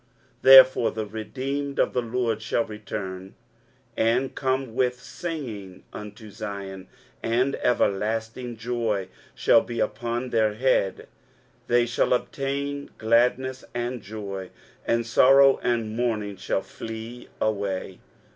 23:051:011 Therefore the redeemed of the LORD shall return, and come with singing unto Zion; and everlasting joy shall be upon their head: they shall obtain gladness and joy; and sorrow and mourning shall flee away.